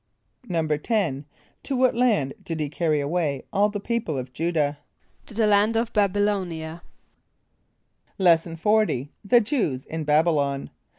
= =10.= To what land did he carry away all the people of J[=u]´dah? =To the land of B[)a]b [)y] l[=o]´n[)i] a.= Lesson XL. The Jews in Babylon.